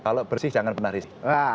kalau bersih jangan penarisi